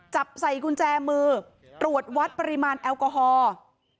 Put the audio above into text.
จับใส่กุญแจมือตรวจวัดปริมาณแอลกอฮอล์